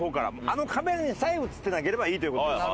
あのカメラにさえ映ってなければいいという事です。